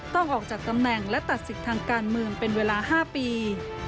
ต้องออกจากตำแหน่งและตัดสิทธิ์ทางการเมืองเป็นเวลา๕ปี